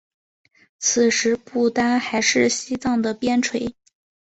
此时不丹还是西藏的边陲。